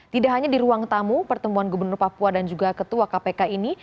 tidak hanya di ruang tamu pertemuan gubernur papua dan juga ketua kpk ini